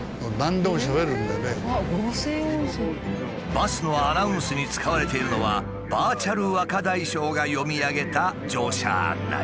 バスのアナウンスに使われているのはバーチャル若大将が読み上げた乗車案内。